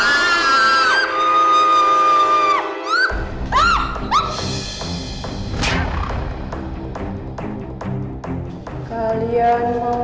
semoga kita bisa astagfirullah ala